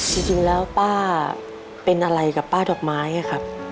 จริงแล้วป้าเป็นอะไรกับป้าดอกไม้ครับ